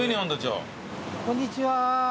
こんにちは。